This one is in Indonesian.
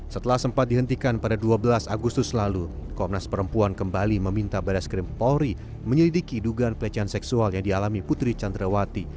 setelah sempat dihentikan pada dua belas agustus lalu komnas perempuan kembali meminta baris krim polri menyelidiki dugaan pelecehan seksual yang dialami putri candrawati